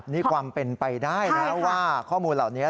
นี่ความเป็นไปได้นะว่าข้อมูลเหล่านี้